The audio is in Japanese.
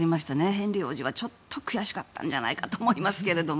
ヘンリー王子はちょっと悔しかったんじゃないかと思いますが。